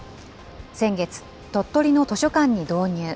先月、鳥取の図書館に導入。